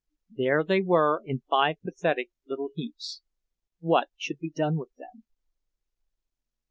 There they were in five pathetic little heaps; what should be done with them?